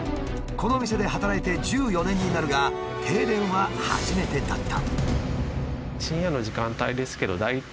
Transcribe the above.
この店で働いて１４年になるが停電は初めてだった。